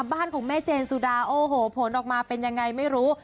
บ้านของแม่เจนสุดาโอ้โหผลออกมาเป็นยังไงไม่รู้